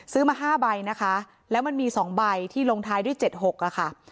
มา๕ใบนะคะแล้วมันมี๒ใบที่ลงท้ายด้วย๗๖ค่ะ